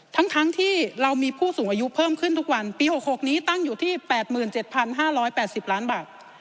ทั้งที่เรามีผู้สูงอายุเพิ่มขึ้นทุกวันปี๖๖นี้ตั้งอยู่ที่๘๗๕๘๐ล้านบาท